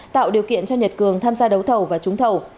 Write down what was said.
tạo điều kiện cho nhật cường tham gia đấu thầu và trúng thầu